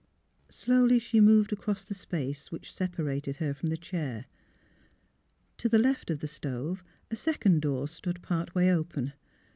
Slowly she moved across the space which separated her from the chair. To the left of the stove a second door stood part way open.